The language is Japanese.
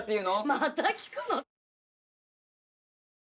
また聞くの？